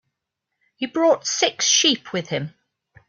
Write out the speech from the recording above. He brought six sheep with him.